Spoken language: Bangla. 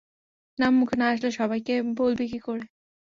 নাম মুখে না আনলে সবাইকে বলবি কী করে?